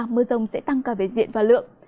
mưa rông sẽ tăng cao về diện và lượng